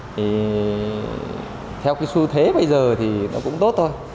thì theo cái xu thế bây giờ thì nó cũng tốt thôi